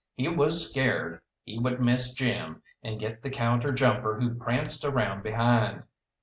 He was scared he would miss Jim, and get the counter jumper who pranced around behind.